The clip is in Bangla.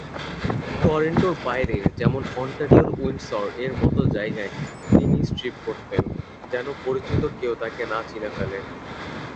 টরন্টোর বাইরে যেমন অন্টারিওর উইন্ডসর-এর মতো জায়গায় তিনি স্ট্রিপ করতেন, যেন পরিচিত কেউ তাঁকে চিনে না ফেলে।